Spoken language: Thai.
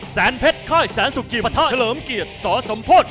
แสนเพชรค่ายแสนสุกิรพระท่าเฉลิมเกียรติสอสมโพธยินต์